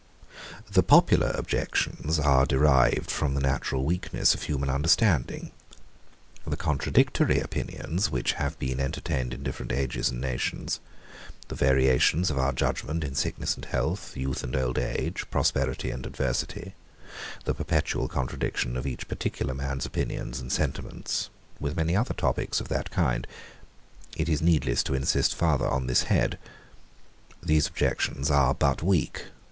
The popular objections are derived from the natural weakness of human understanding; the contradictory opinions, which have been entertained in different ages and nations; the variations of our judgement in sickness and health, youth and old age, prosperity and adversity; the perpetual contradiction of each particular man's opinions and sentiments; with many other topics of that kind. It is needless to insist farther on this head. These objections are but weak.